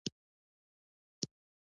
مدیریت د کاروبار د پرمختګ محور دی.